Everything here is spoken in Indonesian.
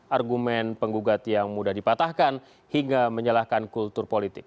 argumen penggugat yang mudah dipatahkan hingga menyalahkan kultur politik